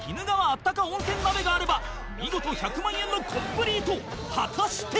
あったか温泉鍋があれば見事１００万円のコンプリート果たして？